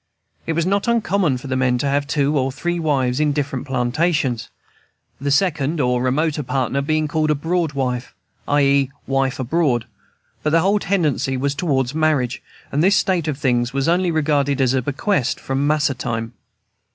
It was not uncommon for men to have two or three wives in different plantations, the second, or remoter, partner being called a "'broad wife," i.e. wife abroad. But the whole tendency was toward marriage, and this state of things was only regarded as a bequest from "mas'r time."